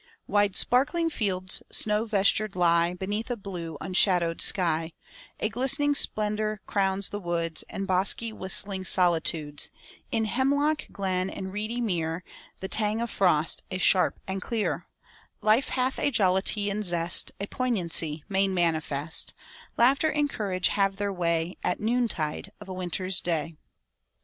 II Wide, sparkling fields snow vestured lie Beneath a blue, unshadowed sky; A glistening splendor crowns the woods And bosky, whistling solitudes; In hemlock glen and reedy mere The tang of frost is sharp and clear; Life hath a jollity and zest, A poignancy made manifest; Laughter and courage have their way At noontide of a winter's day.